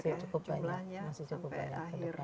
masih jumlahnya sampai akhir